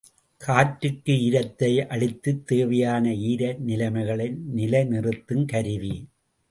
காற்றுக்கு ஈரத்தை அளித்துத் தேவையான ஈர நிலைமைகளை நிலைநிறுத்துங்கருவி.